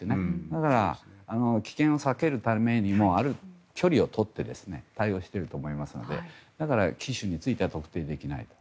だから危険を避けるためにもある距離をとって対応していると思いますので機種については特定できないと。